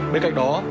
bên cạnh đó